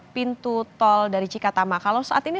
pintu tol dari cikatama kalau saat ini